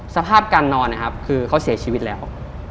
สภาพการนอนนะครับคือเขาเสียชีวิตแล้ว